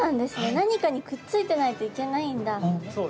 何かにくっついてないといけないんだ。